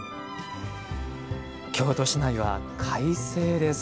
京都市内は快晴です。